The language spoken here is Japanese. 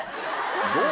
どう？